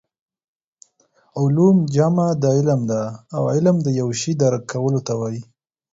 علوم جمع د علم ده او علم د یو شي درک کولو ته وايي